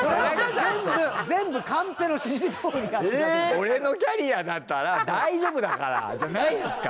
俺のキャリアだったら大丈夫だからじゃないんですか？